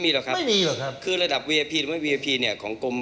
มีการที่จะพยายามติดศิลป์บ่นเจ้าพระงานนะครับ